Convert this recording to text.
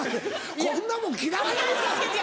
こんなもん嫌われるわ。